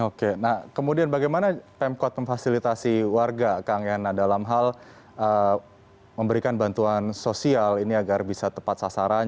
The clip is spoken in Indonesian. oke nah kemudian bagaimana pemkot memfasilitasi warga kang yana dalam hal memberikan bantuan sosial ini agar bisa tepat sasaran